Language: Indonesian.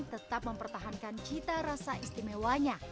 tetap mempertahankan cita rasa istimewanya